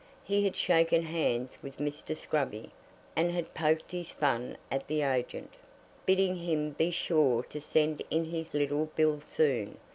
He had shaken hands with Mr. Scruby, and had poked his fun at the agent, bidding him be sure to send in his little bill soon.